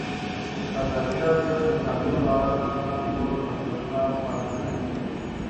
ازادي راډیو د تعلیم په اړه د خلکو نظرونه خپاره کړي.